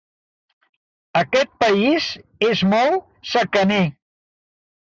Aquest país és molt secaner.